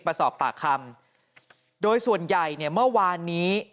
มาสอบปากคำโดยส่วนใหญ่เนี่ยเมื่อวานนี้